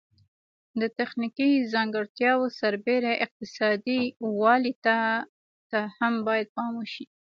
د تخنیکي ځانګړتیاوو سربیره اقتصادي والی ته هم باید پام وشي.